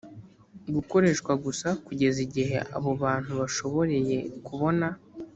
gukoreshwa gusa kugeza igihe abo bantu bashoboreye kubona